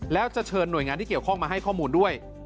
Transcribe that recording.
แล้วจะเชิญหน่วยงานที่เกี่ยวข้องมาให้ข้อมูลด้วย